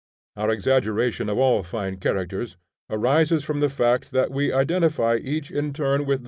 Our exaggeration of all fine characters arises from the fact that we identify each in turn with the soul.